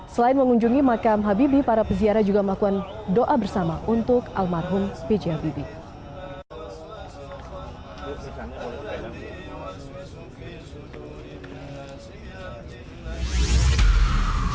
selain mengunjungi makam habibie para peziara juga melakukan doa bersama untuk almarhum bj habibie